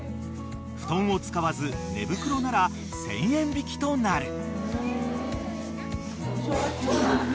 ［布団を使わず寝袋なら１，０００円引きとなる］